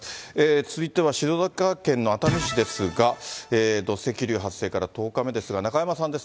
続いては静岡県の熱海市ですが、土石流発生から１０日目ですが、中山さんです。